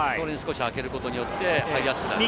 上げることによって入りやすくなります。